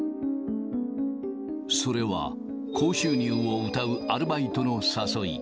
それは、高収入をうたうアルバイトの誘い。